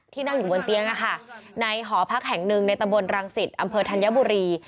นั่งอยู่บนเตียงในหอพักแห่งหนึ่งในตำบลรังสิตอำเภอธัญบุรี